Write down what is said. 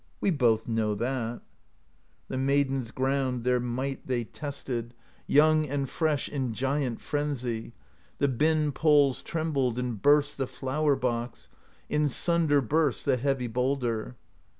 We both know that/ The maidens ground. Their might they tested. THE POESY OF SKALDS 169 Young and fresh In giant frenzy: The bin poles trembled, And burst the flour box; In sunder burst The heavy boulder.